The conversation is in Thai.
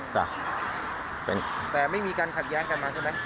แต่ไม่มีการขัดแย้งกันมาใช่ไหม